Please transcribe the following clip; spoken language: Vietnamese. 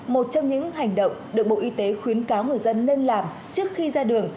một trong những hành động được bộ y tế khuyến cáo người dân nên làm trước khi ra đường